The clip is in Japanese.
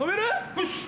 よし！